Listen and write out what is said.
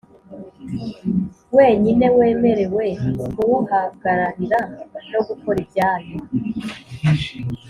wenyine wemerewe kuwuhagararira nogukora ibyayo